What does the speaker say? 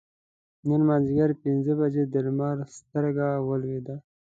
نن مازدیګر پینځه بجې د لمر سترګه ولوېده.